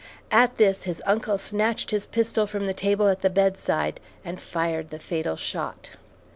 At this, his uncle snatched his pistol from the table at the bedside, and fired the fatal shot.